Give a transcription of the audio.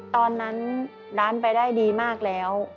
ตอนนั้นร้านไปได้ดีมากแล้ว